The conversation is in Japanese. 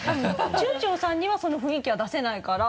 中條さんにはその雰囲気は出せないから。